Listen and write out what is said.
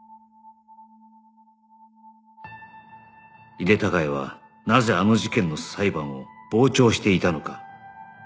井手孝也はなぜあの事件の裁判を傍聴していたのか